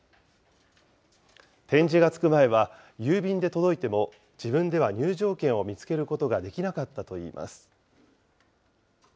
点字が付く前は、郵便で届いても、自分では入場券を見つけることができなかったといいます。